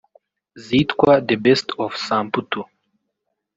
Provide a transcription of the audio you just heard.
zitwa The Best of Samputu